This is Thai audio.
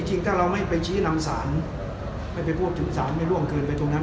จริงถ้าเราไม่ไปพูดถึงสารให้ร่วมขึ้นไปตรงนั้น